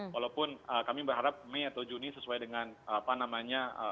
walaupun kami berharap mei atau juni sesuai dengan apa namanya